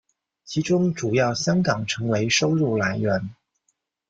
其中主要香港成为收入来源。